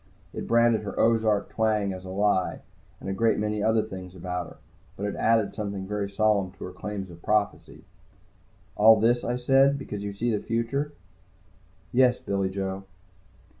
It branded her Ozark twang as a lie, and a great many other things about her. But it added something very solid to her claims of prophecy. "All this," I said. "Because you see the future?" "Yes, Billy Joe."